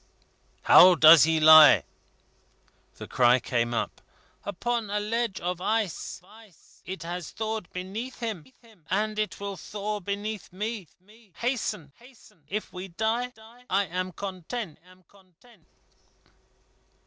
"How does he lie?" The cry came up: "Upon a ledge of ice. It has thawed beneath him, and it will thaw beneath me. Hasten. If we die, I am content."